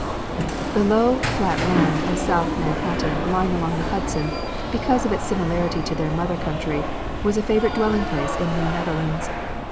The low, flat land of South Manhattan lying along the Hudson, because of its similarity to their mother country, was a favourite dwelling place in New Netherlands.